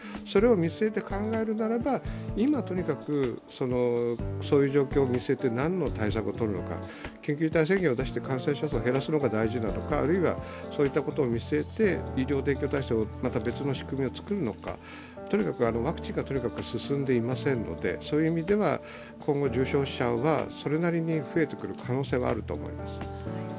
それを見据えて考えるならば、今とにかくそういう状況を見据えて何の対策をとるのか緊急事態宣言を出して感染者数を減らすのが大事なのかあるいはそういったことを見据えて医療提供体制をまた別の仕組みを作るのかとにかくワクチンが進んでいませんので、そういう意味では、今後重症者はそれなりに増えてくる可能性はあると思います。